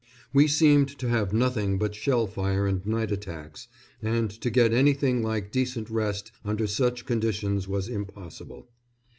We seemed to have nothing but shell fire and night attacks, and to get anything like decent rest under such conditions was impossible.